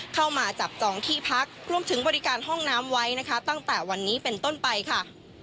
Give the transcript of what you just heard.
เข้ามาจับจองที่พักรวมถึงบริการห้องน้ำไว้นะคะตั้งแต่วันนี้เป็นต้นไปค่ะ